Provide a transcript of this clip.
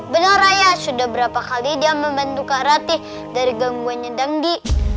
benar ayah sudah berapa kali dia membantu kak ratih dari gangguannya dan di